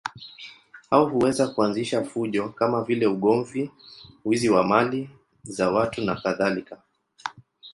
Hao huweza kuanzisha fujo kama vile ugomvi, wizi wa mali za watu nakadhalika.